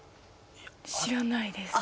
知らないです。